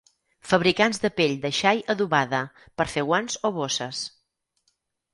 Fabricants de pell de xai adobada per fer guants o bosses.